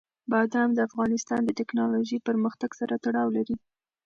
بادام د افغانستان د تکنالوژۍ پرمختګ سره تړاو لري.